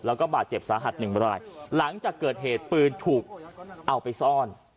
แล้วก็บาดเจ็บสาหัสหนึ่งรายหลังจากเกิดเหตุปืนถูกเอาไปซ่อน